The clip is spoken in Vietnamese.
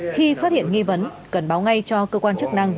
khi phát hiện nghi vấn cần báo ngay cho cơ quan chức năng